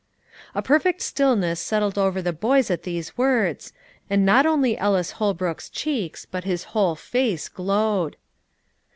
A perfect stillness settled over the boys at these words, and not only Ellis Holbrook's cheeks, but his whole face glowed.